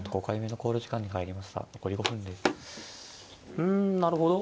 うんなるほど。